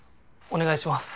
お願いします。